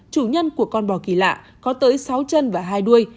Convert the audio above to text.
chủ nhân của con bò kỳ lạ có tới sáu chân và hai đuôi